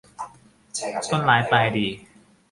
ต้นร้ายปลายดี